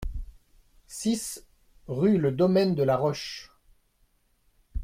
six rue Le Domaine de la Roche